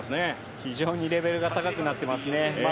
非常にレベルが高くなっています。